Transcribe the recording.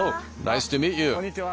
こんにちは。